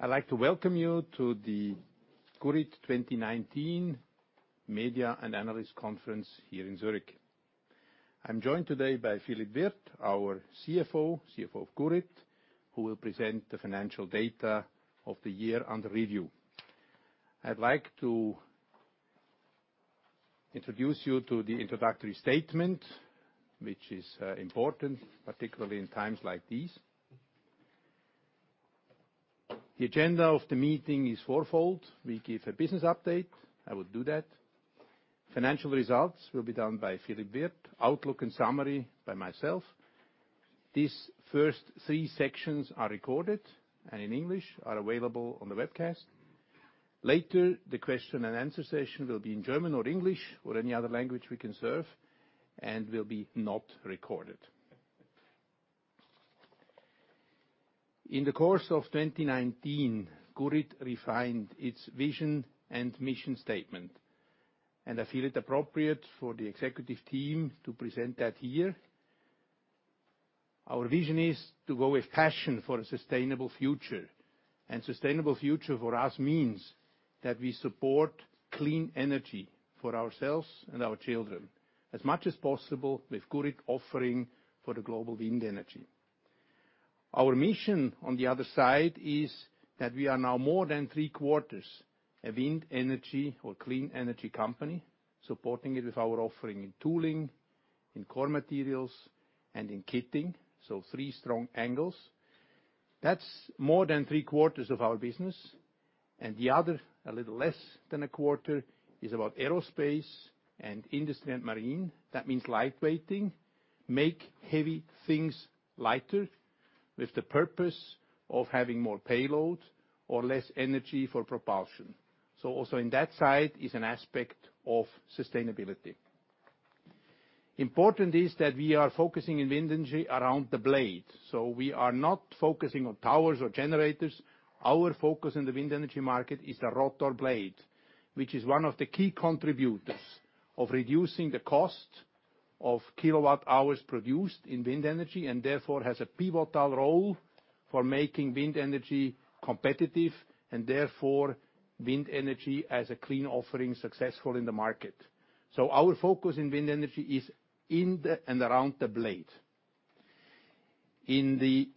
I'd like to welcome you to the Gurit 2019 Media and Analyst Conference here in Zurich. I'm joined today by Philippe Wirth, our CFO of Gurit, who will present the financial data of the year under review. I'd like to introduce you to the introductory statement, which is important, particularly in times like these. The agenda of the meeting is fourfold. We give a business update. I will do that. Financial results will be done by Philippe Wirth. Outlook and summary by myself. These first three sections are recorded and in English, are available on the webcast. Later, the question and answer session will be in German or English or any other language we can serve and will be not recorded. In the course of 2019, Gurit refined its vision and mission statement, and I feel it appropriate for the executive team to present that here. Our vision is to go with passion for a sustainable future. Sustainable future for us means that we support clean energy for ourselves and our children as much as possible, with Gurit offering for the global wind energy. Our mission, on the other side, is that we are now more than three-quarters a wind energy or clean energy company, supporting it with our offering in tooling, in core materials, and in kitting. Three strong angles. That's more than three-quarters of our business. The other, a little less than a quarter, is about aerospace and industry and marine. That means light-weighting, make heavy things lighter with the purpose of having more payload or less energy for propulsion. Also in that side is an aspect of sustainability. Important is that we are focusing in wind energy around the blade. We are not focusing on towers or generators. Our focus in the wind energy market is the rotor blade, which is one of the key contributors of reducing the cost of kilowatt hours produced in wind energy, and therefore has a pivotal role for making wind energy competitive, and therefore wind energy as a clean offering successful in the market. Our focus in wind energy is in the and around the blade. In the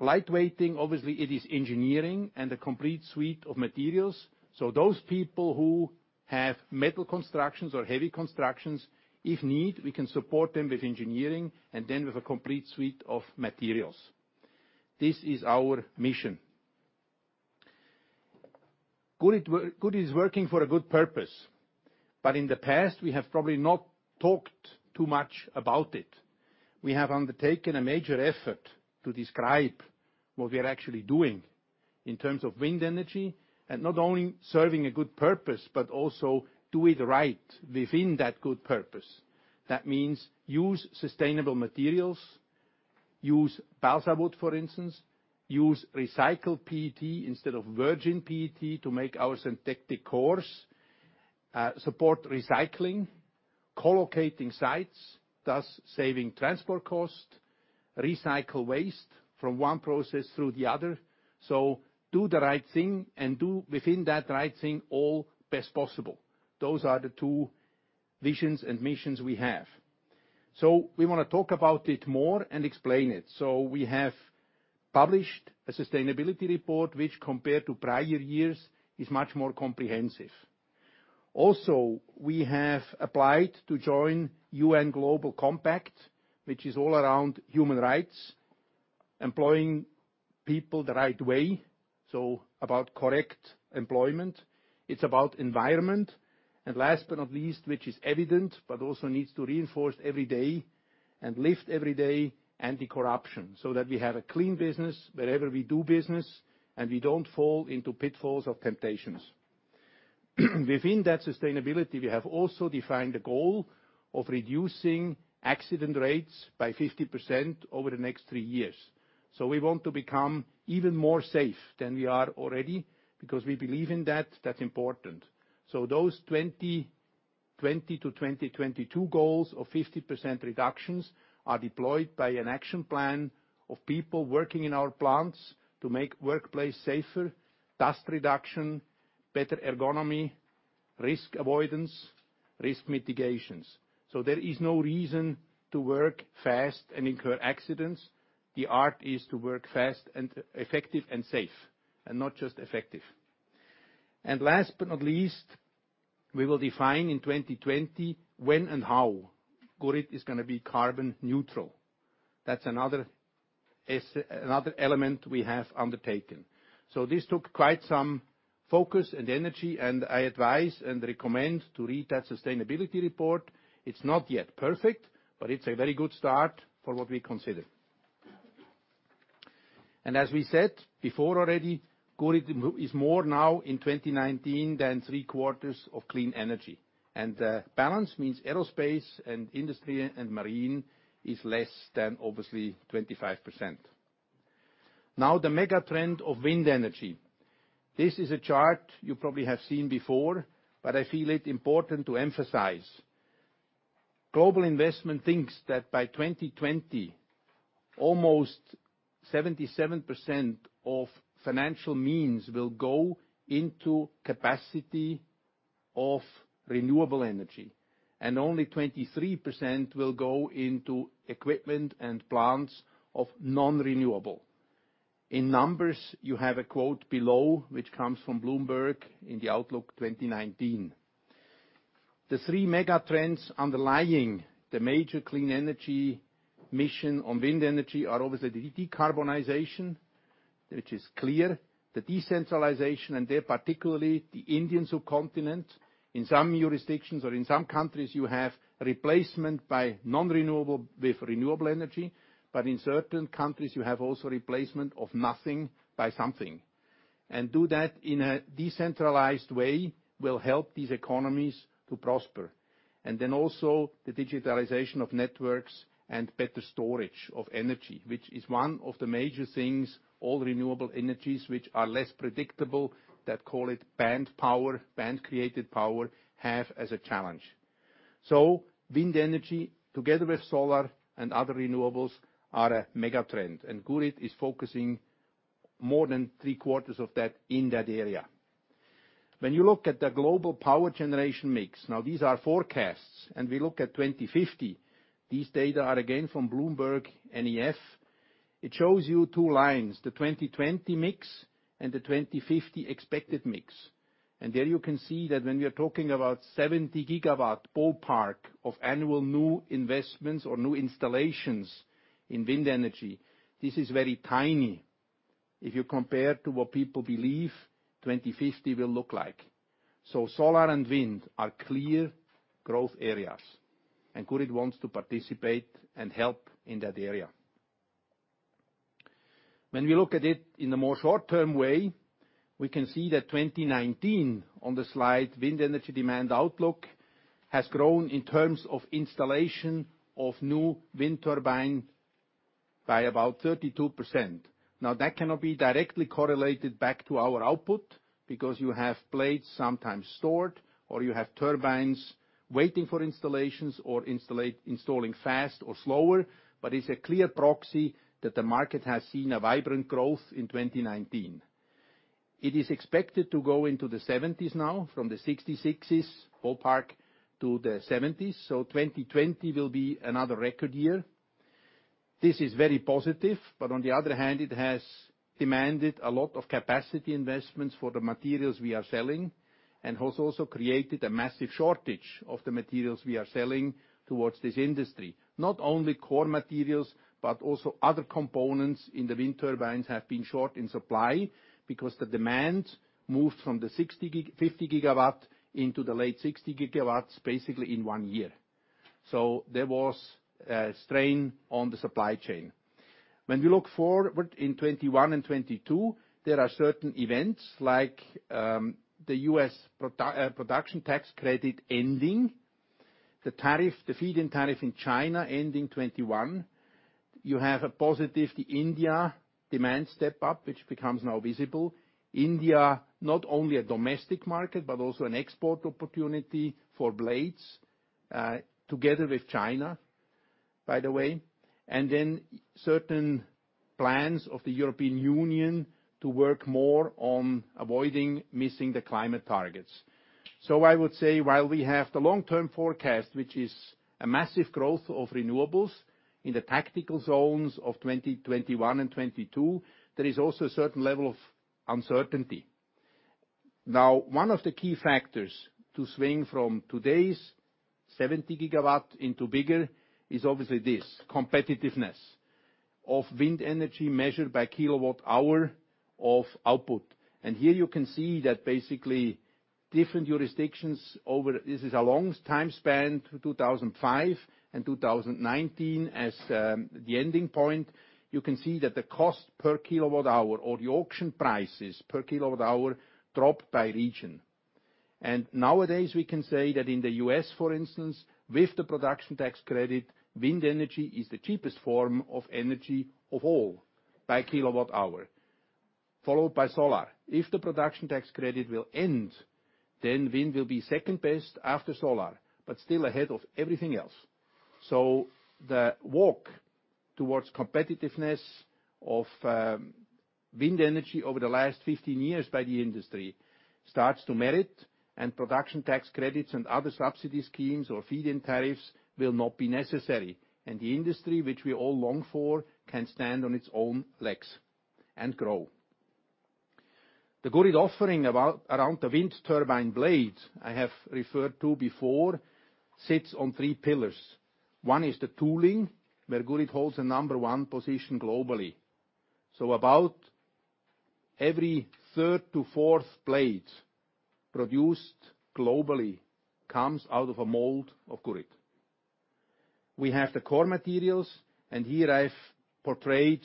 light-weighting, obviously, it is engineering and a complete suite of materials. Those people who have metal constructions or heavy constructions, if need, we can support them with engineering and then with a complete suite of materials. This is our mission. Gurit is working for a good purpose, but in the past, we have probably not talked too much about it. We have undertaken a major effort to describe what we are actually doing in terms of wind energy, and not only serving a good purpose, but also do it right within that good purpose. That means use sustainable materials. Use balsa wood, for instance. Use recycled PET instead of virgin PET to make our synthetic course. Support recycling, collocating sites, thus saving transport cost, recycle waste from one process through the other. Do the right thing and do within that right thing all best possible. Those are the two visions and missions we have. We want to talk about it more and explain it. We have published a sustainability report which, compared to prior years, is much more comprehensive. Also, we have applied to join UN Global Compact, which is all around human rights, employing people the right way, about correct employment. It's about environment. Last but not least, which is evident, but also needs to reinforce every day and lived every day, anti-corruption, so that we have a clean business wherever we do business, and we don't fall into pitfalls of temptations. Within that sustainability, we have also defined a goal of reducing accident rates by 50% over the next three years. We want to become even more safe than we are already because we believe in that. That's important. Those 2020 to 2022 goals of 50% reductions are deployed by an action plan of people working in our plants to make workplace safer, dust reduction, better ergonomy, risk avoidance, risk mitigations. There is no reason to work fast and incur accidents. The art is to work fast and effective and safe, and not just effective. Last but not least, we will define in 2020 when and how Gurit is going to be carbon neutral. That's another element we have undertaken. This took quite some focus and energy, and I advise and recommend to read that sustainability report. It's not yet perfect, but it's a very good start for what we consider. As we said before already, Gurit is more now in 2019 than three-quarters of clean energy. The balance means aerospace and industry and marine is less than obviously 25%. The mega trend of wind energy. This is a chart you probably have seen before, but I feel it important to emphasize. Global investment thinks that by 2020, almost 77% of financial means will go into capacity of renewable energy, and only 23% will go into equipment and plants of non-renewable. In numbers, you have a quote below, which comes from Bloomberg in the Outlook 2019. The three mega trends underlying the major clean energy mission on wind energy are obviously the decarbonization, which is clear, the decentralization, and there particularly, the Indian subcontinent. In some jurisdictions or in some countries, you have replacement by non-renewable with renewable energy. In certain countries you have also replacement of nothing by something. Do that in a decentralized way will help these economies to prosper. Then also the digitalization of networks and better storage of energy, which is one of the major things all renewable energies, which are less predictable, that call it band power, band-created power, have as a challenge. Wind energy, together with solar and other renewables, are a mega trend. Gurit is focusing more than three quarters of that in that area. When you look at the global power generation mix, now these are forecasts, and we look at 2050. These data are again from BloombergNEF. It shows you two lines, the 2020 mix and the 2050 expected mix. There you can see that when we are talking about 70 gigawatt ballpark of annual new investments or new installations in wind energy, this is very tiny if you compare to what people believe 2050 will look like. So, solar and wind are clear growth areas, and Gurit wants to participate and help in that area. When we look at it in a more short-term way, we can see that 2019, on the slide, wind energy demand outlook has grown in terms of installation of new wind turbine by about 32%. That cannot be directly correlated back to our output, because you have blades sometimes stored, or you have turbines waiting for installations, or installing fast or slower. It's a clear proxy that the market has seen a vibrant growth in 2019. It is expected to go into the 70s now, from the 66s ballpark to the 70s. 2020 will be another record year. This is very positive, but on the other hand, it has demanded a lot of capacity investments for the materials we are selling, and has also created a massive shortage of the materials we are selling towards this industry. Not only core materials, but also other components in the wind turbines have been short in supply, because the demand moved from the 50 gigawatt into the late 60 gigawatts, basically in one year. There was a strain on the supply chain. When we look forward in 2021 and 2022, there are certain events like the U.S. Production Tax Credit ending. The feed-in tariff in China ending 2021. You have a positive, the India demand step-up, which becomes now visible. India, not only a domestic market, but also an export opportunity for blades, together with China, by the way. Then certain plans of the European Union to work more on avoiding missing the climate targets. I would say while we have the long-term forecast, which is a massive growth of renewables in the tactical zones of 2021 and 2022, there is also a certain level of uncertainty. One of the key factors to swing from today's 70 gigawatts into bigger is obviously this, competitiveness of wind energy measured by kilowatt-hour of output. Here you can see that basically different jurisdictions over, this is a long time span, 2005 and 2019 as the ending point. You can see that the cost per kilowatt hour or the auction prices per kilowatt hour dropped by region. Nowadays, we can say that in the U.S. for instance, with the Production Tax Credit, wind energy is the cheapest form of energy of all by kilowatt hour, followed by solar. If the Production Tax Credit will end, then wind will be second best after solar, but still ahead of everything else. The walk towards competitiveness of wind energy over the last 15 years by the industry starts to merit, and Production Tax Credits and other subsidy schemes or feed-in tariffs will not be necessary. The industry which we all long for can stand on its own legs and grow. The Gurit offering around the wind turbine blades I have referred to before sits on three pillars. One is the tooling, where Gurit holds the number one position globally. About every third to fourth blade produced globally comes out of a mold of Gurit. We have the core materials, and here I've portrayed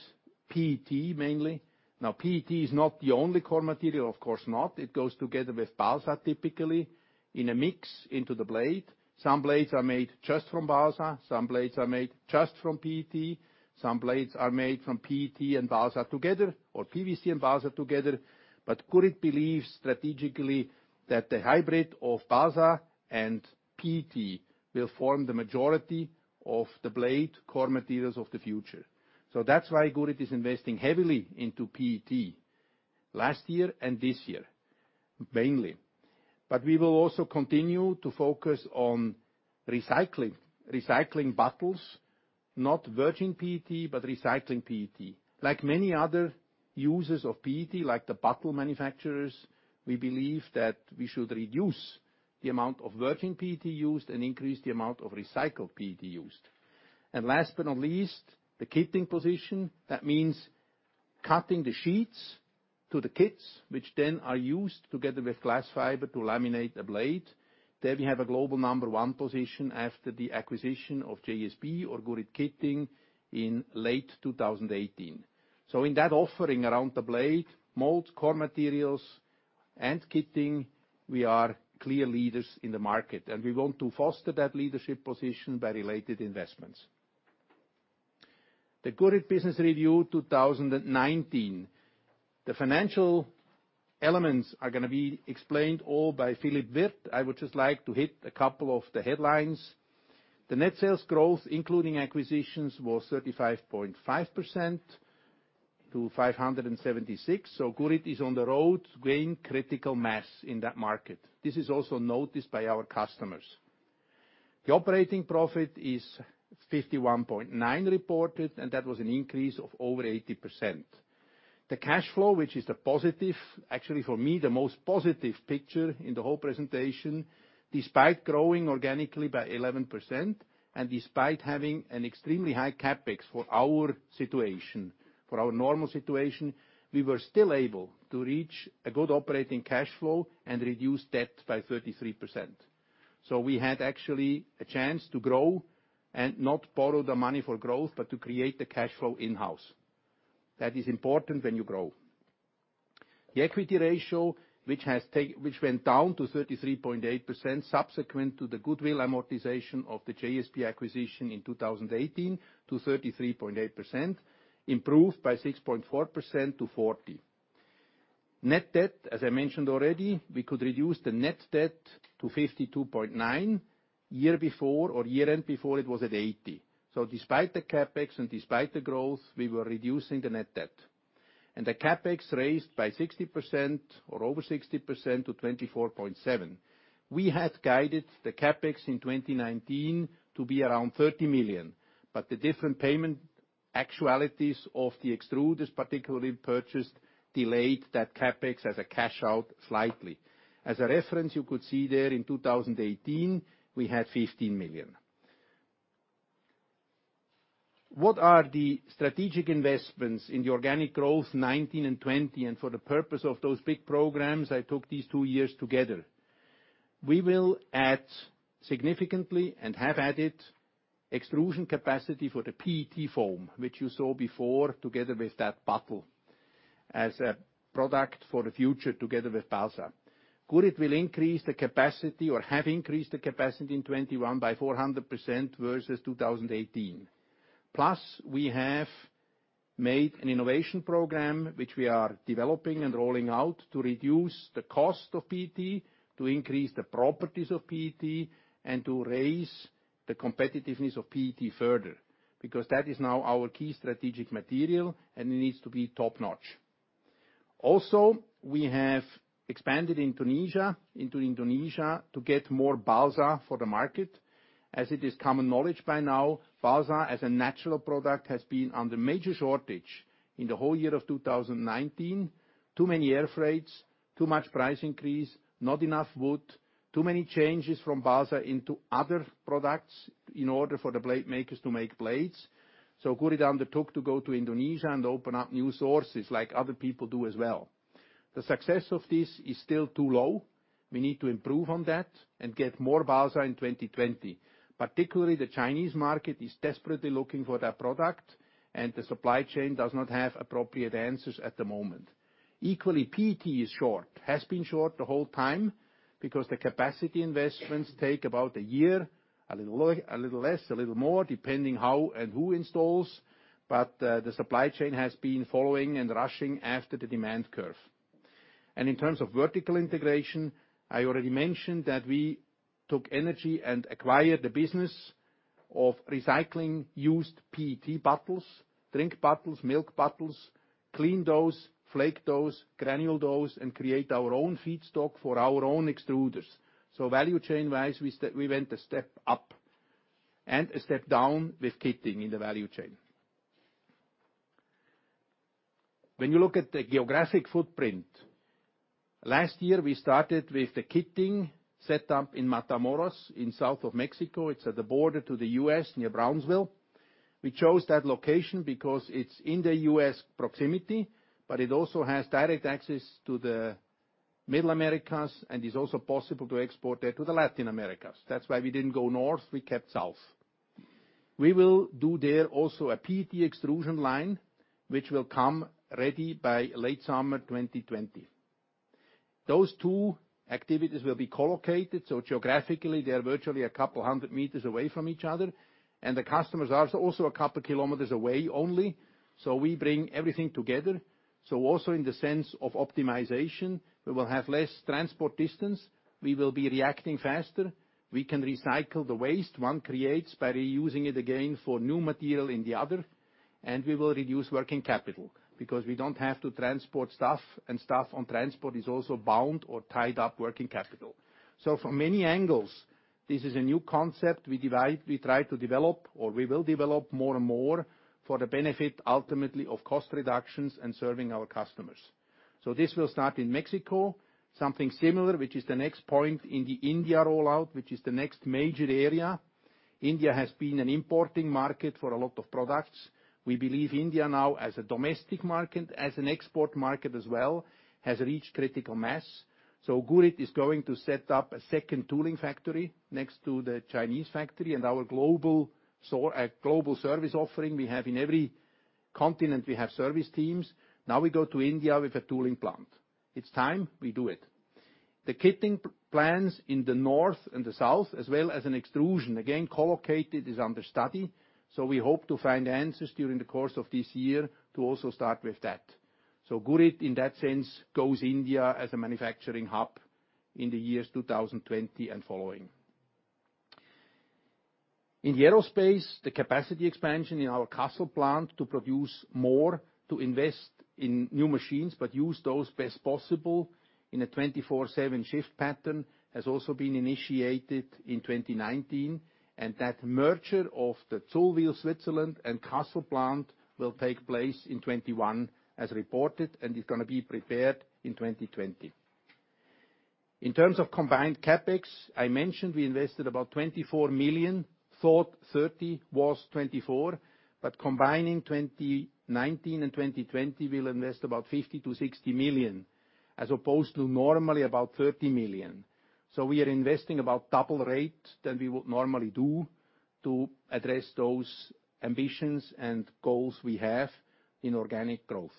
PET mainly. PET is not the only core material, of course not. It goes together with balsa, typically, in a mix into the blade. Some blades are made just from balsa. Some blades are made just from PET. Some blades are made from PET and balsa together, or PVC and balsa together. Gurit believes strategically that the hybrid of balsa and PET will form the majority of the blade core materials of the future. That's why Gurit is investing heavily into PET last year and this year, mainly. We will also continue to focus on recycling bottles, not virgin PET, but recycling PET. Like many other users of PET, like the bottle manufacturers, we believe that we should reduce the amount of virgin PET used and increase the amount of recycled PET used. Last but not least, the kitting position. That means cutting the sheets to the kits, which then are used together with glass fiber to laminate a blade. There we have a global number one position after the acquisition of JSB Group or Kitting in late 2018. In that offering around the blade, mold, core materials, and kitting, we are clear leaders in the market, and we want to foster that leadership position by related investments. The Gurit business review 2019. The financial elements are going to be explained all by Philippe Wirth. I would just like to hit a couple of the headlines. The net sales growth including acquisitions was 35.5% to 576. Gurit is on the road gaining critical mass in that market. This is also noticed by our customers. The operating profit is 51.9 reported, and that was an increase of over 80%. The cash flow, which is the positive, actually for me, the most positive picture in the whole presentation, despite growing organically by 11% and despite having an extremely high CapEx for our situation, for our normal situation, we were still able to reach a good operating cash flow and reduce debt by 33%. We had actually a chance to grow and not borrow the money for growth, but to create the cash flow in-house. That is important when you grow. The equity ratio, which went down to 33.8% subsequent to the goodwill amortization of the JSB Group acquisition in 2018 to 33.8%, improved by 6.4% to 40%. Net debt, as I mentioned already, we could reduce the net debt to 52.9. Year before or year end before it was at 80. Despite the CapEx and despite the growth, we were reducing the net debt. The CapEx raised by 60% or over 60% to 24.7. We had guided the CapEx in 2019 to be around 30 million, but the different payment actualities of the extruders particularly purchased delayed that CapEx as a cash out slightly. As a reference, you could see there in 2018, we had 15 million. What are the strategic investments in the organic growth 2019 and 2020? For the purpose of those big programs, I took these two years together. We will add significantly and have added extrusion capacity for the PET foam, which you saw before together with that bottle as a product for the future together with balsa. Gurit will increase the capacity or have increased the capacity in 2021 by 400% versus 2018. Plus, we have made an innovation program which we are developing and rolling out to reduce the cost of PET, to increase the properties of PET, and to raise the competitiveness of PET further, because that is now our key strategic material and it needs to be top-notch. We have expanded into Indonesia to get more balsa for the market. As it is common knowledge by now, balsa as a natural product has been under major shortage in the whole year of 2019. Too many air freights, too much price increase, not enough wood, too many changes from balsa into other products in order for the blade makers to make blades. Gurit undertook to go to Indonesia and open up new sources like other people do as well. The success of this is still too low. We need to improve on that and get more balsa in 2020. Particularly, the Chinese market is desperately looking for that product, and the supply chain does not have appropriate answers at the moment. Equally, PET is short, has been short the whole time because the capacity investments take about a year, a little less, a little more, depending how and who installs, but the supply chain has been following and rushing after the demand curve. In terms of vertical integration, I already mentioned that we took energy and acquired the business of recycling used PET bottles, drink bottles, milk bottles, clean those, flake those, granule those, and create our own feedstock for our own extruders. Value chain-wise, we went a step up and a step down with kitting in the value chain. When you look at the geographic footprint, last year, we started with the kitting set up in Matamoros in south of Mexico. It’s at the border to the U.S. near Brownsville. We chose that location because it’s in the U.S. proximity, but it also has direct access to the Middle Americas, and it’s also possible to export there to the Latin Americas. That’s why we didn’t go north, we kept south. We will do there also a PET extrusion line, which will come ready by late summer 2020. Those two activities will be co-located, geographically, they are virtually a couple hundred meters away from each other, and the customers are also a couple kilometers away only. We bring everything together. Also in the sense of optimization, we will have less transport distance, we will be reacting faster, we can recycle the waste one creates by reusing it again for new material in the other, and we will reduce working capital because we don't have to transport stuff, and stuff on transport is also bound or tied up working capital. From many angles, this is a new concept we try to develop, or we will develop more and more for the benefit, ultimately, of cost reductions and serving our customers. This will start in Mexico. Something similar, which is the next point in the India rollout, which is the next major area. India has been an importing market for a lot of products. We believe India now, as a domestic market, as an export market as well, has reached critical mass. Gurit is going to set up a second tooling factory next to the Chinese factory and our global service offering we have. In every continent, we have service teams. We go to India with a tooling plant. It's time. We do it. The kitting plans in the north and the south, as well as an extrusion, again, co-located, is under study. We hope to find answers during the course of this year to also start with that. Gurit, in that sense, goes India as a manufacturing hub in the years 2020 and following. In the aerospace, the capacity expansion in our Kassel plant to produce more, to invest in new machines, but use those best possible in a 24/7 shift pattern, has also been initiated in 2019, and that merger of the Zullwil, Switzerland, and Kassel plant will take place in 2021, as reported, and is going to be prepared in 2020. In terms of combined CapEx, I mentioned we invested about 24 million. Thought 30, was 24. Combining 2019 and 2020, we'll invest about 50 million-60 million as opposed to normally about 30 million. We are investing about double rate than we would normally do to address those ambitions and goals we have in organic growth.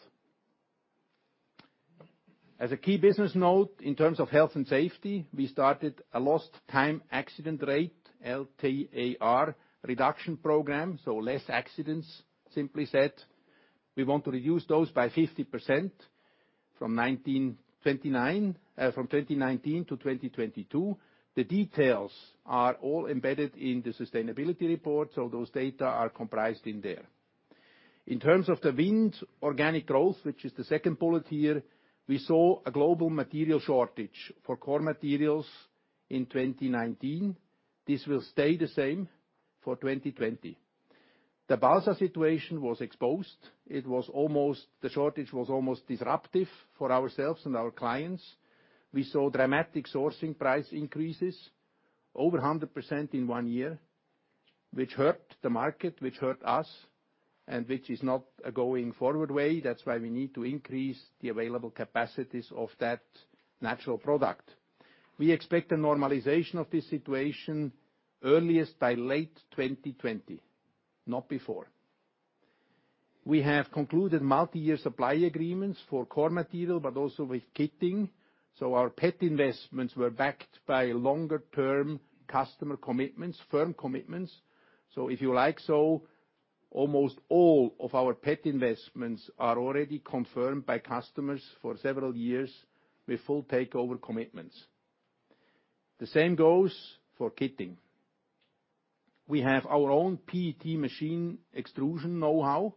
As a key business note, in terms of health and safety, we started a lost time accident rate, LTAR, reduction program. Less accidents, simply said. We want to reduce those by 50% from 2019 to 2022. The details are all embedded in the sustainability report. Those data are comprised in there. In terms of the wind organic growth, which is the second bullet here, we saw a global material shortage for core materials in 2019. This will stay the same for 2020. The balsa situation was exposed. The shortage was almost disruptive for ourselves and our clients. We saw dramatic sourcing price increases, over 100% in one year, which hurt the market, which hurt us, and which is not a going-forward way. That's why we need to increase the available capacities of that natural product. We expect a normalization of this situation earliest by late 2020, not before. We have concluded multiyear supply agreements for core material, but also with kitting. Our PET investments were backed by longer-term customer commitments, firm commitments. Almost all of our PET investments are already confirmed by customers for several years with full takeover commitments. The same goes for kitting. We have our own PET machine extrusion knowhow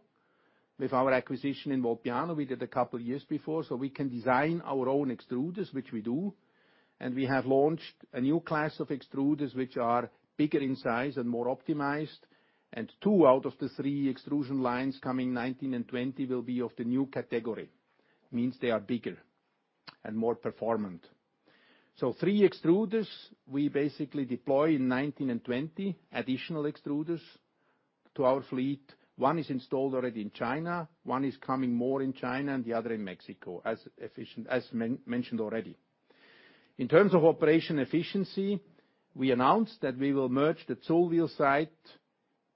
with our acquisition in Volpiano we did a couple years before. We can design our own extruders, which we do. We have launched a new class of extruders which are bigger in size and more optimized. Two out of the three extrusion lines coming 2019 and 2020 will be of the new category. Means they are bigger and more performant. Three extruders we basically deploy in 2019 and 2020, additional extruders to our fleet. One is installed already in China, one is coming more in China, and the other in Mexico, as mentioned already. In terms of operation efficiency, we announced that we will merge the Zullwil site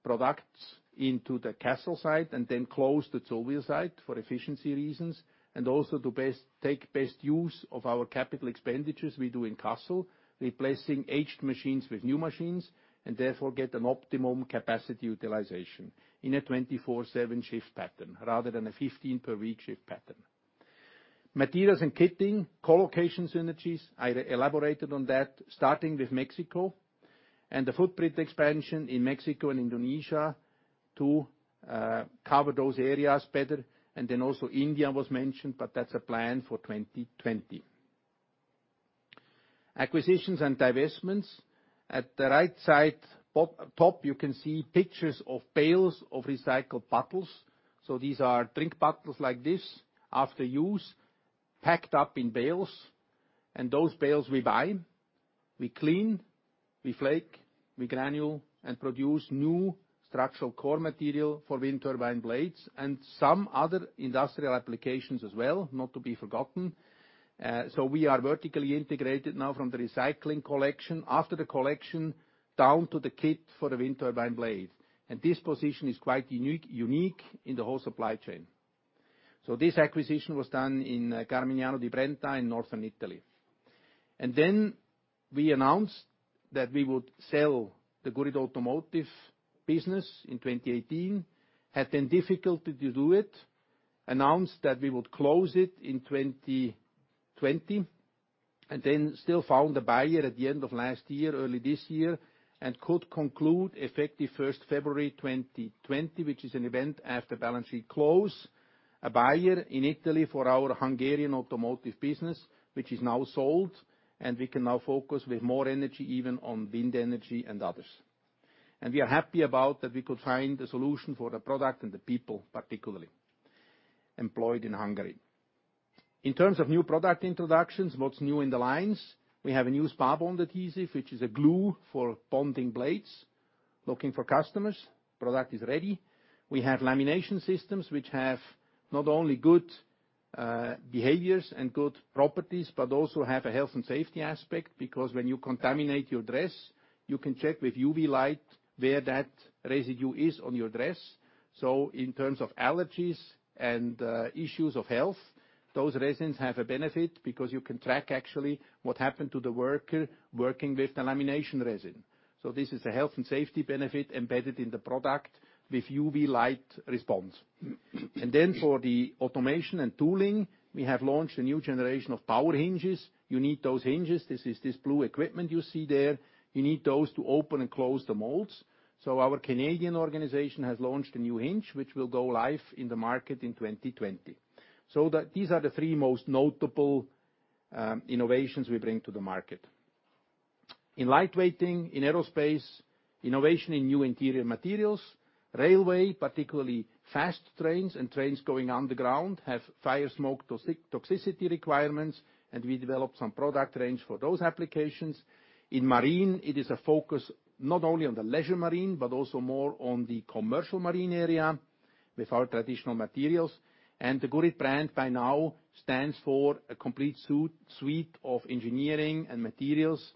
products into the Kassel site and then close the Zullwil site for efficiency reasons and also to take best use of our capital expenditures we do in Kassel, replacing aged machines with new machines, and therefore get an optimum capacity utilization in a 24/7 shift pattern rather than a 15-per-week shift pattern. Materials and kitting, co-location synergies, I elaborated on that starting with Mexico. The footprint expansion in Mexico and Indonesia to cover those areas better. Then also India was mentioned, but that's a plan for 2020. Acquisitions and divestments. At the right side top, you can see pictures of bales of recycled bottles. These are drink bottles like this after use, packed up in bales. Those bales we buy, we clean, we flake, we granule, and produce new structural core material for wind turbine blades and some other industrial applications as well, not to be forgotten. We are vertically integrated now from the recycling collection, after the collection, down to the kit for the wind turbine blade. This position is quite unique in the whole supply chain. This acquisition was done in Carmignano di Brenta in Northern Italy. We announced that we would sell the Gurit Automotive business in 2018. Had been difficult to do it. We announced that we would close it in 2020, and then still found a buyer at the end of last year, early this year, and could conclude effective 1st February 2020, which is an event after balance sheet close. A buyer in Italy for our Hungarian Automotive business, which is now sold. We can now focus with more energy even on wind energy and others. We are happy about that we could find a solution for the product and the people particularly employed in Hungary. In terms of new product introductions, what's new in the lines, we have a new Spabond adhesive, which is a glue for bonding blades, looking for customers. Product is ready. We have lamination systems which have not only good behaviors and good properties, but also have a health and safety aspect, because when you contaminate your dress, you can check with UV light where that residue is on your dress. In terms of allergies and issues of health, those resins have a benefit because you can track actually what happened to the worker working with the lamination resin. This is a health and safety benefit embedded in the product with UV light response. For the automation and tooling, we have launched a new generation of Power Hinges. You need those hinges. This is this blue equipment you see there. You need those to open and close the molds. Our Canadian organization has launched a new hinge, which will go live in the market in 2020. These are the three most notable innovations we bring to the market. In lightweighting, in aerospace, innovation in new interior materials, railway, particularly fast trains and trains going underground, have fire, smoke, toxicity requirements, and we developed some product range for those applications. In marine, it is a focus not only on the leisure marine, but also more on the commercial marine area with our traditional materials. The Gurit brand by now stands for a complete suite of engineering and materials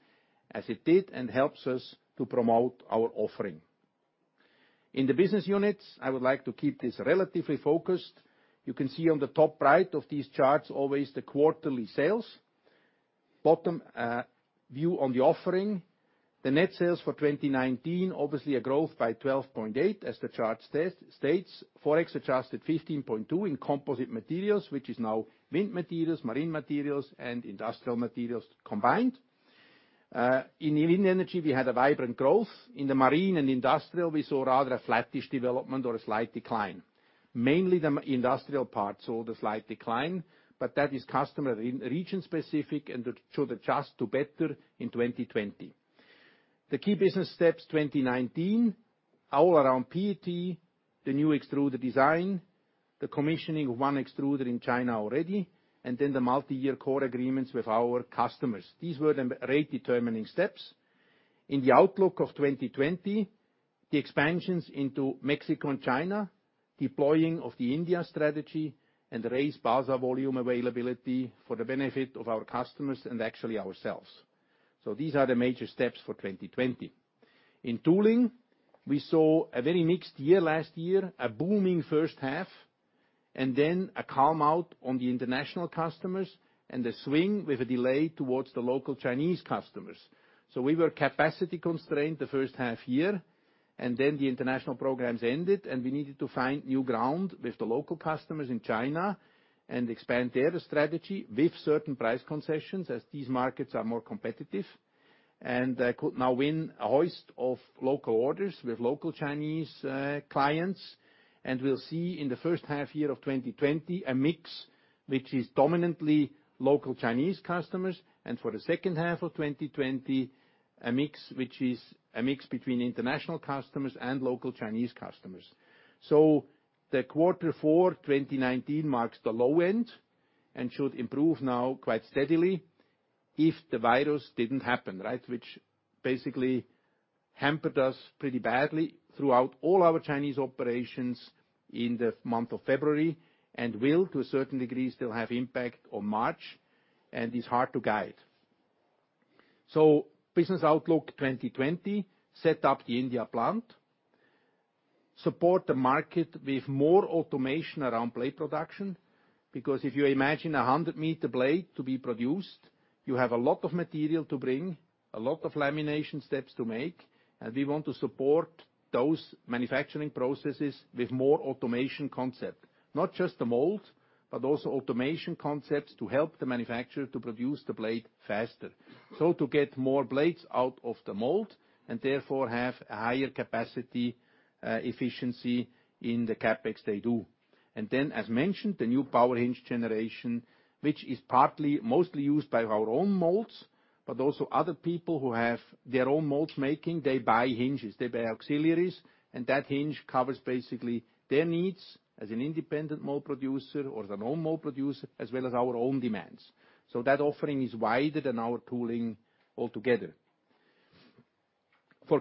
as it did, and helps us to promote our offering. In the business units, I would like to keep this relatively focused. You can see on the top right of these charts, always the quarterly sales. Bottom view on the offering. The net sales for 2019, obviously a growth by 12.8%, as the chart states. Forex adjusted 15.2% in Composite Materials, which is now wind materials, marine materials and industrial materials combined. In wind energy, we had a vibrant growth. In the marine and industrial, we saw rather a flattish development or a slight decline. Mainly the industrial part saw the slight decline, but that is customer region specific and should adjust to better in 2020. The key business steps 2019, all around PET, the new extruder design, the commissioning of one extruder in China already, and then the multi-year core agreements with our customers. These were the rate determining steps. In the outlook of 2020, the expansions into Mexico and China, deploying of the India strategy, and raise balsa volume availability for the benefit of our customers and actually ourselves. These are the major steps for 2020. In tooling, we saw a very mixed year last year, a booming first half, and then a calm out on the international customers and a swing with a delay towards the local Chinese customers. We were capacity constrained the first half year, and then the international programs ended, and we needed to find new ground with the local customers in China and expand their strategy with certain price concessions, as these markets are more competitive. Could now win a host of local orders with local Chinese clients. We'll see in the first half year of 2020 a mix which is dominantly local Chinese customers, and for the second half of 2020, a mix which is a mix between international customers and local Chinese customers. The quarter four 2019 marks the low end and should improve now quite steadily if the virus didn't happen, which basically hampered us pretty badly throughout all our Chinese operations in the month of February and will, to a certain degree, still have impact on March and is hard to guide. Business outlook 2020, set up the India plant. Support the market with more automation around blade production, because if you imagine 100-meter blade to be produced, you have a lot of material to bring, a lot of lamination steps to make, we want to support those manufacturing processes with more automation concept. Not just the mold, also automation concepts to help the manufacturer to produce the blade faster. To get more blades out of the mold, and therefore have a higher capacity efficiency in the CapEx they do. And then, as mentioned, the new Power Hinge generation, which is mostly used by our own molds, but also other people who have their own molds making, they buy hinges, they buy auxiliaries, and that hinge covers basically their needs as an independent mold producer or their own mold producer as well as our own demands. That offering is wider than our tooling altogether. For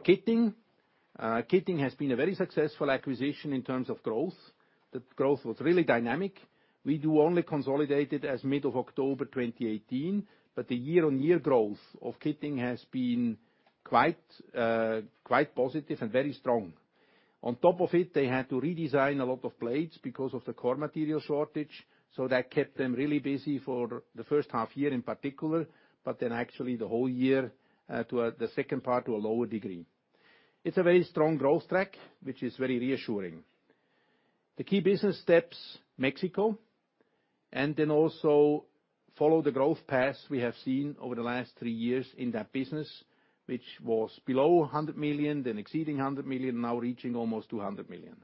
kitting has been a very successful acquisition in terms of growth. The growth was really dynamic. We do only consolidate it as mid of October 2018, but the year-on-year growth of kitting has been quite positive and very strong. On top of it, they had to redesign a lot of plates because of the core material shortage, so that kept them really busy for the first half year in particular, but then actually the whole year, the second part, to a lower degree. It's a very strong growth track, which is very reassuring. The key business steps, Mexico, and then also follow the growth paths we have seen over the last three years in that business, which was below 100 million, then exceeding 100 million, now reaching almost 200 million.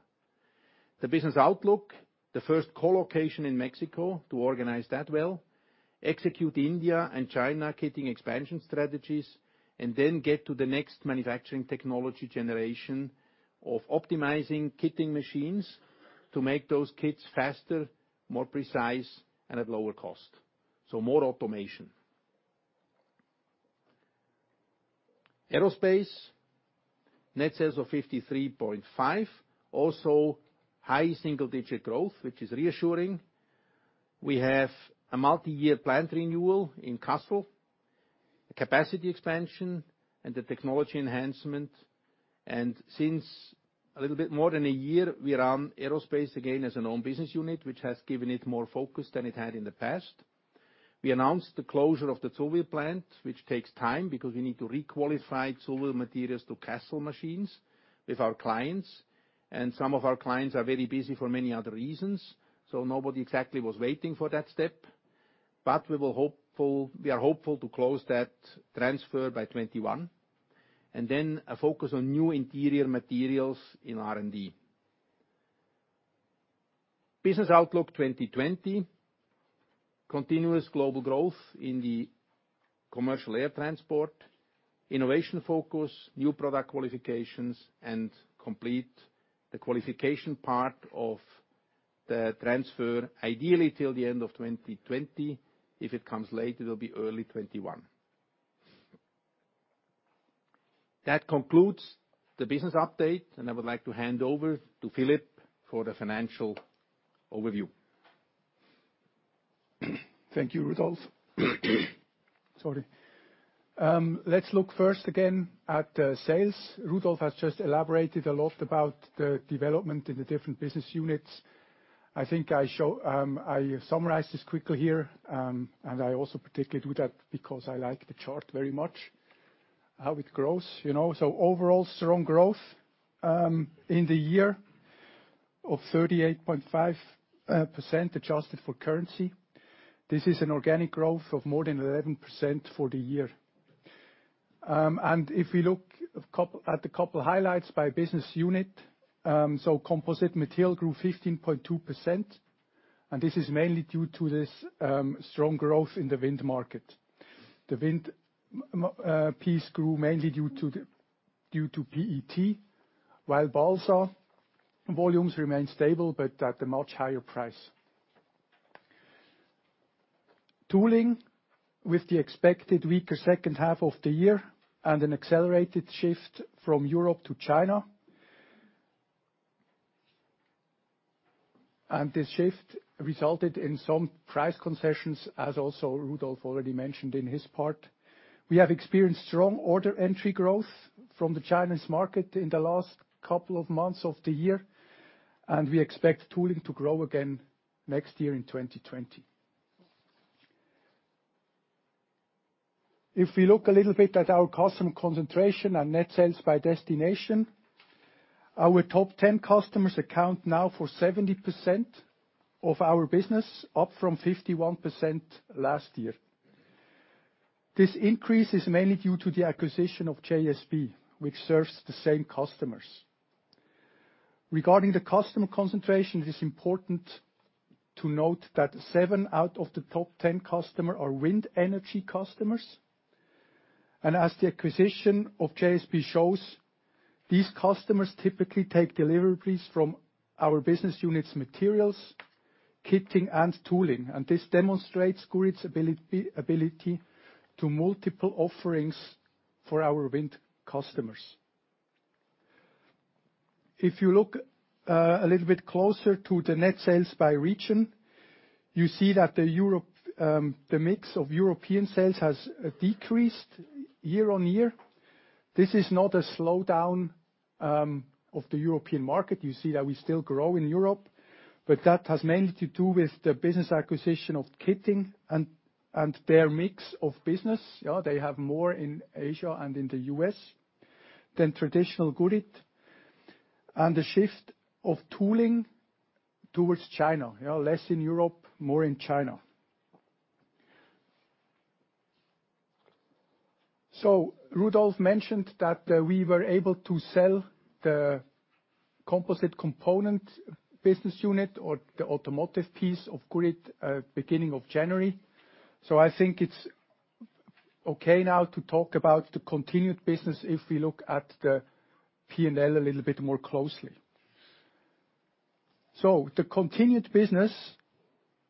The business outlook, the first co-location in Mexico, to organize that well, execute India and China kitting expansion strategies, get to the next manufacturing technology generation of optimizing kitting machines to make those kits faster, more precise, and at lower cost. More automation. Aerospace, net sales of 53.5, also high single-digit growth, which is reassuring. We have a multi-year plant renewal in Kassel, a capacity expansion, the technology enhancement. Since a little bit more than a year, we run aerospace again as an own business unit, which has given it more focus than it had in the past. We announced the closure of the Zullwil plant, which takes time because we need to re-qualify Zullwil materials to Kassel machines with our clients, some of our clients are very busy for many other reasons, nobody exactly was waiting for that step. But, we are hopeful to close that transfer by 2021. Then a focus on new interior materials in R&D. Business outlook 2020, continuous global growth in the commercial air transport, innovation focus, new product qualifications, complete the qualification part of the transfer, ideally till the end of 2020. If it comes late, it will be early 2021. That concludes the business update, I would like to hand over to Philippe for the financial overview. Thank you, Rudolf. Let's look first again at sales. Rudolf has just elaborated a lot about the development in the different business units. I think I summarize this quickly here, and I also particularly do that because I like the chart very much, how it grows. Overall strong growth in the year of 38.5% adjusted for currency. This is an organic growth of more than 11% for the year. If we look at a couple highlights by business unit, Composite Materials grew 15.2%, and this is mainly due to this strong growth in the wind market. The wind piece grew mainly due to PET, while balsa volumes remained stable but at a much higher price. Tooling, with the expected weaker second half of the year and an accelerated shift from Europe to China. This shift resulted in some price concessions as also Rudolf already mentioned in his part. We have experienced strong order entry growth from the Chinese market in the last couple of months of the year, and we expect Tooling to grow again next year in 2020. If we look a little bit at our customer concentration and net sales by destination, our top 10 customers account now for 70% of our business, up from 51% last year. This increase is mainly due to the acquisition of JSB, which serves the same customers. Regarding the customer concentration, it is important to note that seven out of the top 10 customer are wind energy customers. As the acquisition of JSB shows, these customers typically take deliveries from our Business units materials, Kitting, and Tooling, and this demonstrates Gurit's ability to multiple offerings for our wind customers. If you look a little bit closer to the net sales by region, you see that the mix of European sales has decreased year-on-year. This is not a slowdown of the European market. You see that we still grow in Europe, that has mainly to do with the business acquisition of kitting and their mix of business. They have more in Asia and in the U.S. than traditional Gurit. The shift of tooling towards China, less in Europe, more in China. Rudolf mentioned that we were able to sell the Composite Components business unit or the automotive piece of Gurit, beginning of January. I think it's okay now to talk about the continued business if we look at the P&L a little bit more closely. The continued business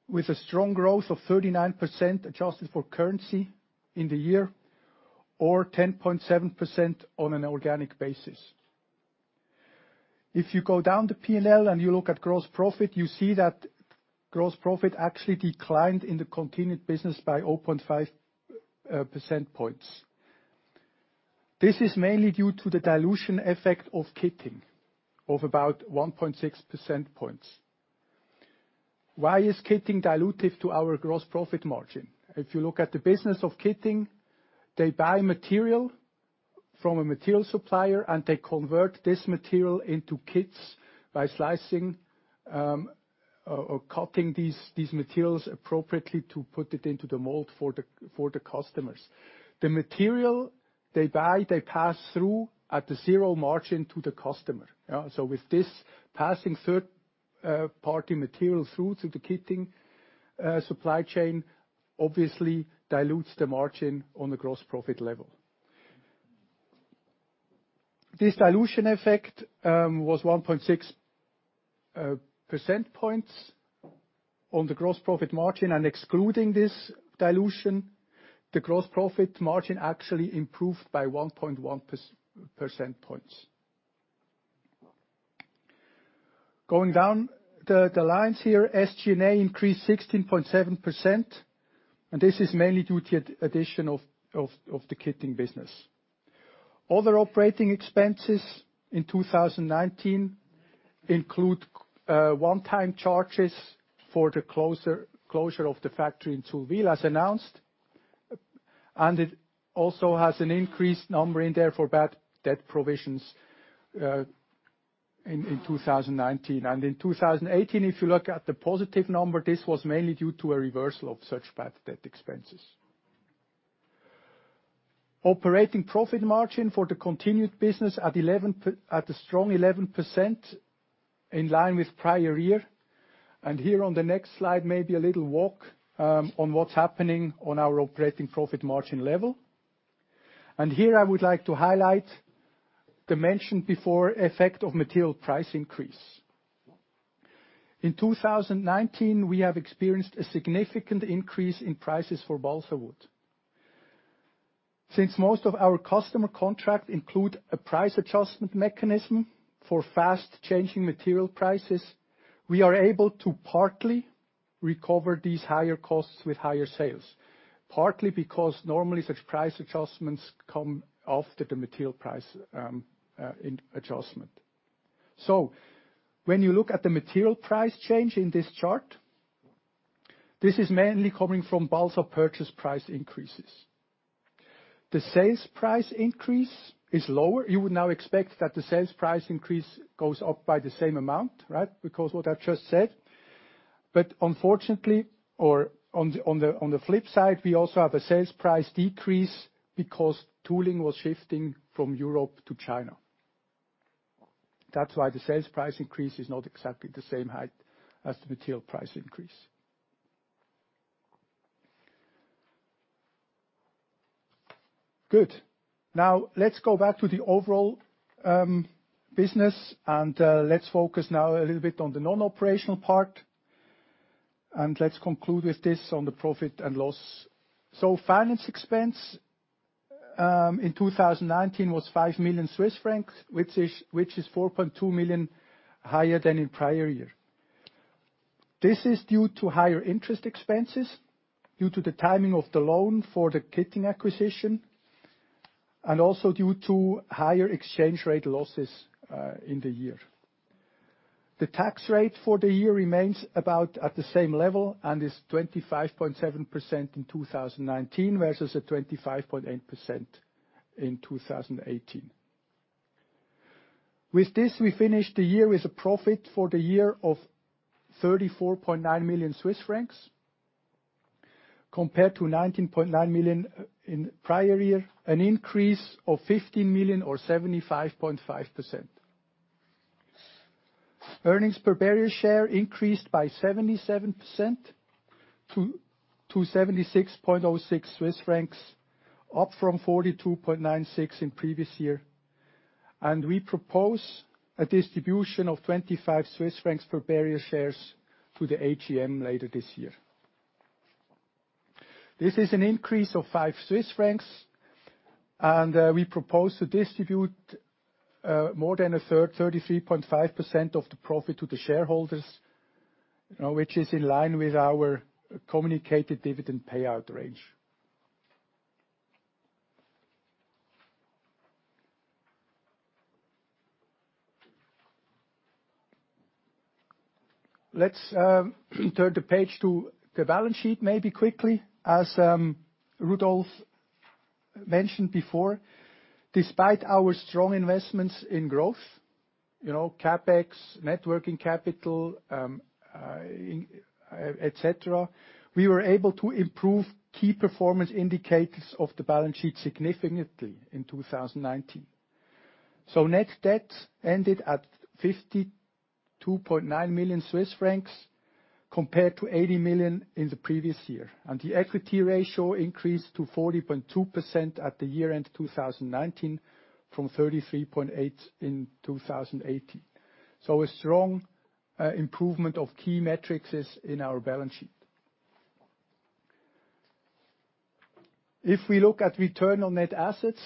with a strong growth of 39% adjusted for currency in the year, or 10.7% on an organic basis. If you go down the P&L and you look at gross profit, you see that gross profit actually declined in the continued business by 0.5 percentage points. This is mainly due to the dilution effect of kitting of about 1.6 percentage points. Why is kitting dilutive to our gross profit margin? If you look at the business of kitting, they buy material from a material supplier, and they convert this material into kits by slicing or cutting these materials appropriately to put it into the mold for the customers. The material they buy, they pass through at the zero margin to the customer. With this passing third-party material through to the kitting supply chain, obviously dilutes the margin on the gross profit level. This dilution effect was 1.6 percentage points on the gross profit margin, and excluding this dilution, the gross profit margin actually improved by 1.1 percentage points. Going down the lines here, SG&A increased 16.7%, and this is mainly due to addition of the Kitting business. Other operating expenses in 2019 include one-time charges for the closure of the factory in Zullwil as announced, and it also has an increased number in there for bad debt provisions in 2019. In 2018, if you look at the positive number, this was mainly due to a reversal of such bad debt expenses. Operating profit margin for the continued business at a strong 11% in line with prior year. Here on the next slide, maybe a little walk on what's happening on our operating profit margin level. Here I would like to highlight the mention before effect of material price increase. In 2019, we have experienced a significant increase in prices for balsa wood. Since most of our customer contract include a price adjustment mechanism for fast changing material prices, we are able to partly recover these higher costs with higher sales. Partly because normally such price adjustments come after the material price adjustment. When you look at the material price change in this chart, this is mainly coming from balsa purchase price increases. The sales price increase is lower. You would now expect that the sales price increase goes up by the same amount, right? What I've just said, but unfortunately, or on the flip side, we also have a sales price decrease because tooling was shifting from Europe to China. That's why the sales price increase is not exactly the same height as the material price increase. Good. Now let's go back to the overall business and let's focus now a little bit on the non-operational part. Let's conclude with this on the profit and loss. Finance expense, in 2019 was 5 million Swiss francs, which is 4.2 million higher than in prior year. This is due to higher interest expenses due to the timing of the loan for the kitting acquisition, and also due to higher exchange rate losses in the year. The tax rate for the year remains about at the same level and is 25.7% in 2019, versus a 25.8% in 2018. With this, we finish the year with a profit for the year of 34.9 million Swiss francs compared to 19.9 million in prior year, an increase of 15 million or 75.5%. Earnings per bearer share increased by 77% to 76.06 Swiss francs, up from 42.96 in previous year. We propose a distribution of 25 Swiss francs per bearer shares to the AGM later this year. This is an increase of 5 Swiss francs, and we propose to distribute more than a third, 33.5% of the profit to the shareholders, which is in line with our communicated dividend payout range. Let's turn the page to the balance sheet, maybe quickly. As Rudolf mentioned before, despite our strong investments in growth, CapEx, net working capital, et cetera, we were able to improve key performance indicators of the balance sheet significantly in 2019. Net debt ended at 52.9 million Swiss francs compared to 80 million in the previous year, and the equity ratio increased to 40.2% at the year end 2019 from 33.8% in 2018. A strong improvement of key metrics is in our balance sheet. If we look at return on net assets,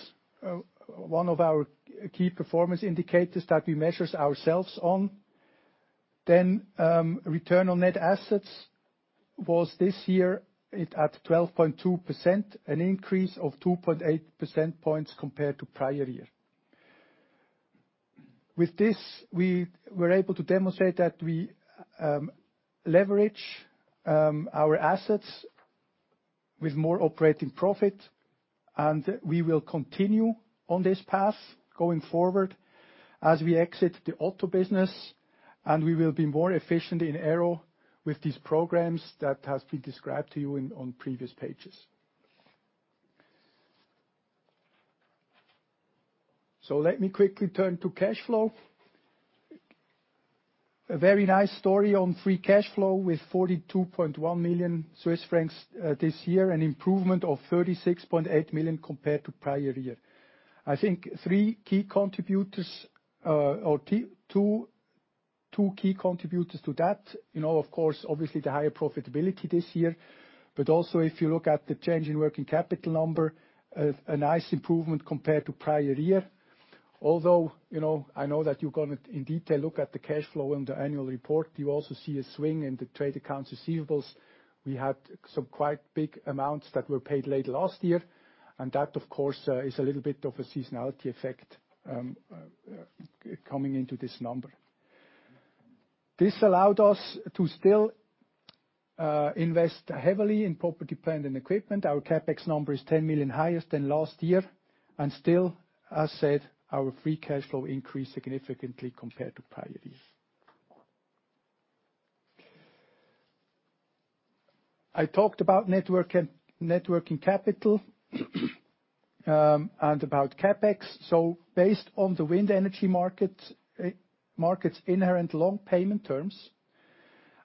one of our key performance indicators that we measure ourselves on. Return on net assets was this year at 12.2%, an increase of 2.8% points compared to prior year. With this, we were able to demonstrate that we leverage our assets with more operating profit, and we will continue on this path going forward as we exit the auto business, and we will be more efficient in aero with these programs that has been described to you on previous pages. So, let me quickly turn to cash flow. A very nice story on free cash flow with 42.1 million Swiss francs this year, an improvement of 36.8 million compared to prior year. I think two key contributors to that, of course, obviously, the higher profitability this year. If you look at the change in working capital number, a nice improvement compared to prior year. Although, I know that you're going to in detail look at the cash flow in the annual report. You also see a swing in the trade accounts receivables. We had some quite big amounts that were paid late last year, and that, of course, is a little bit of a seasonality effect coming into this number. This allowed us to still invest heavily in property, plant, and equipment. Our CapEx number is 10 million higher than last year. As said, our free cash flow increased significantly compared to prior years. I talked about networking capital and about CapEx. Based on the wind energy market's inherent long payment terms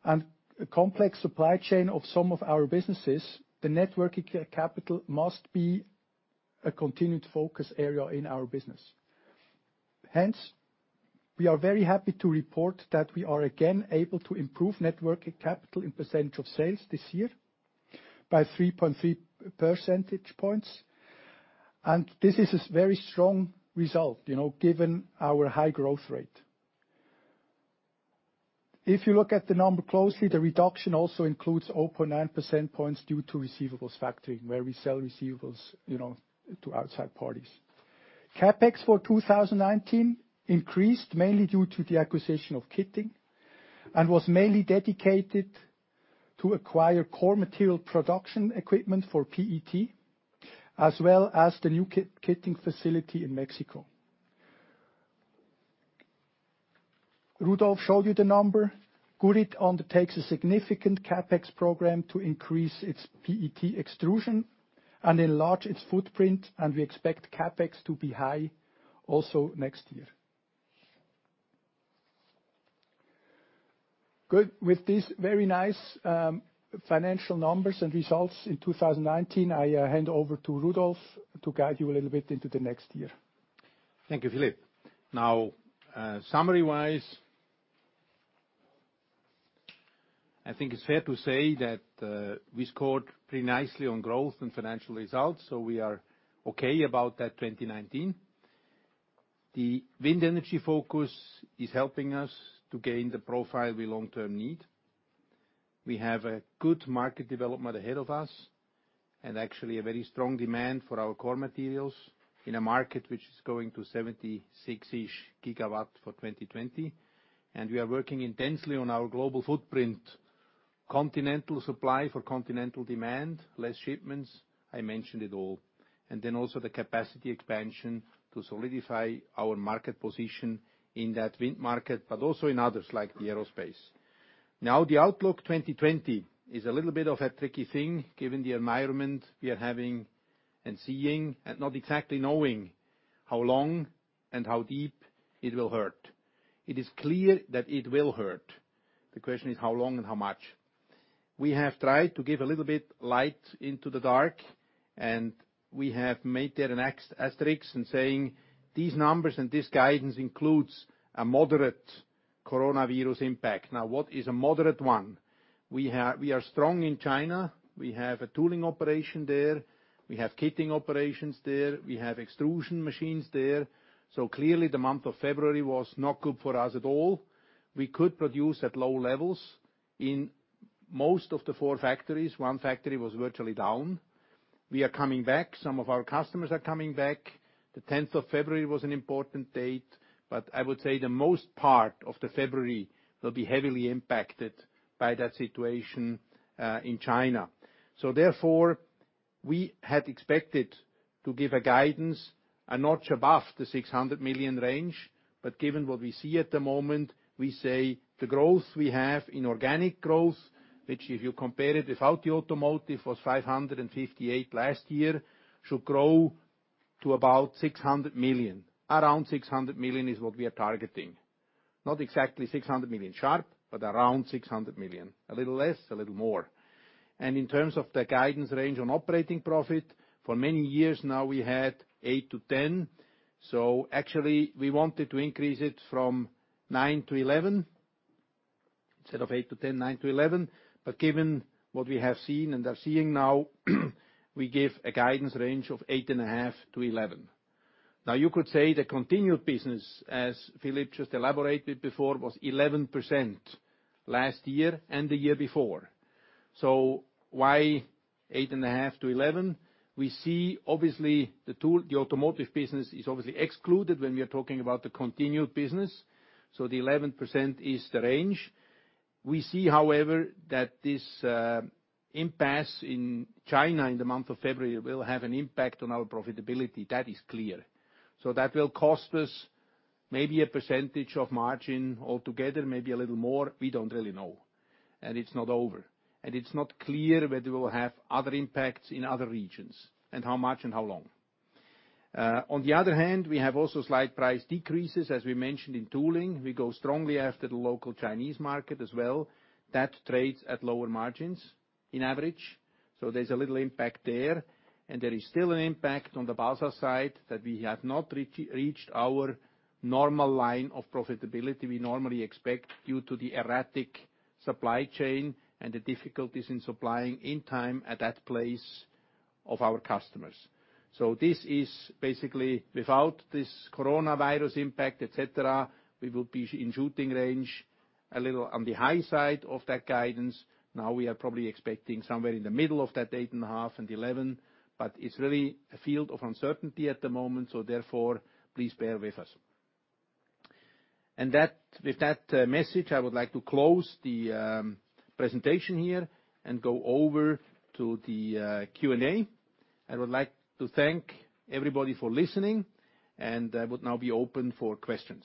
and the complex supply chain of some of our businesses, the networking capital must be a continued focus area in our business. Hence, we are very happy to report that we are again able to improve networking capital in percentage of sales this year by 3.3 percentage points. This is a very strong result, given our high growth rate. If you look at the number closely, the reduction also includes 0.9% points due to receivables factoring, where we sell receivables to outside parties. CapEx for 2019 increased mainly due to the acquisition of kitting and was mainly dedicated to acquire core material production equipment for PET, as well as the new kitting facility in Mexico. Rudolf showed you the number. Gurit undertakes a significant CapEx program to increase its PET extrusion and enlarge its footprint. We expect CapEx to be high also next year. Good. With these very nice financial numbers and results in 2019, I hand over to Rudolf to guide you a little bit into the next year. Thank you, Philippe. Now, summary-wise. I think it's fair to say that we scored pretty nicely on growth and financial results. We are okay about that 2019. The wind energy focus is helping us to gain the profile we long-term need. We have a good market development ahead of us and actually a very strong demand for our core materials in a market which is going to 76-ish gigawatts for 2020. We are working intensely on our global footprint, continental supply for continental demand, less shipments. I mentioned it all. Then also the capacity expansion to solidify our market position in that wind market, but also in others like the aerospace. The outlook 2020 is a little bit of a tricky thing given the environment we are having and seeing and not exactly knowing how long and how deep it will hurt. It is clear that it will hurt. The question is how long and how much. We have tried to give a little bit light into the dark, and we have made there an asterisk in saying these numbers and this guidance includes a moderate coronavirus impact. Now, what is a moderate one? We are strong in China. We have a tooling operation there. We have kitting operations there. We have extrusion machines there. Clearly, the month of February was not good for us at all. We could produce at low levels in most of the four factories. One factory was virtually down. We are coming back. Some of our customers are coming back. The 10th of February was an important date, but I would say the most part of the February will be heavily impacted by that situation in China. Therefore, we had expected to give a guidance a notch above the 600 million range. Given what we see at the moment, we say the growth we have in organic growth, which if you compare it without the Automotive, was 558 last year, should grow to about 600 million. Around 600 million is what we are targeting. Not exactly 600 million sharp, but around 600 million. A little less, a little more. In terms of the guidance range on operating profit, for many years now, we had 8%-10%. Actually, we wanted to increase it from 9%-11%. Instead of 8%-10%, 9%-11%. Given what we have seen and are seeing now, we give a guidance range of 8.5% to 11%. You could say the continued business, as Philippe just elaborated before, was 11% last year and the year before. Why 8.5% to 11%? We see, obviously, the Automotive Business is obviously excluded when we are talking about the continued business, so the 11% is the range. We see, however, that this impasse in China in the month of February will have an impact on our profitability. That is clear. That will cost us maybe a percentage of margin altogether, maybe a little more. We don't really know. It's not over. It's not clear whether we'll have other impacts in other regions, and how much and how long. On the other hand, we have also slight price decreases, as we mentioned in tooling. We go strongly after the local Chinese market as well. That trades at lower margins in average, so there's a little impact there. There is still an impact on the balsa side that we have not reached our normal line of profitability we normally expect due to the erratic supply chain and the difficulties in supplying in time at that place of our customers. This is basically without this coronavirus impact, et cetera, we will be in shooting range a little on the high side of that guidance. Now we are probably expecting somewhere in the middle of that 8.5% and 11%, but it's really a field of uncertainty at the moment, so therefore, please bear with us. With that message, I would like to close the presentation here and go over to the Q&A. I would like to thank everybody for listening, and I would now be open for questions.